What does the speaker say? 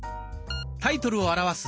タイトルを表す